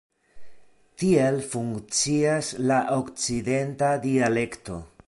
Tiel funkcias la okcidenta dialekto.